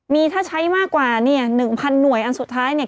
มีถ้าใช้มากกว่าเนี่ย๑๐๐หน่วยอันสุดท้ายเนี่ย